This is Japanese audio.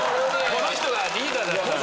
この人がリーダーだったの。